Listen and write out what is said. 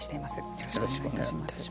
よろしくお願いします。